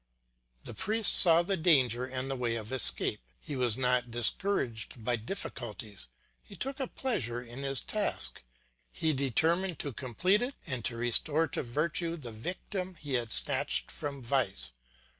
The priest saw the danger and the way of escape. He was not discouraged by difficulties, he took a pleasure in his task; he determined to complete it and to restore to virtue the victim he had snatched from vice.